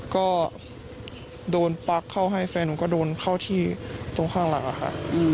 ก็โดนปลั๊กเข้าให้แฟนหนูก็โดนเข้าที่ตรงข้างหลังค่ะ